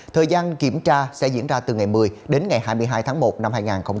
thời gian kiểm tra sẽ diễn ra từ ngày một mươi đến ngày hai mươi hai tháng một năm hai nghìn hai mươi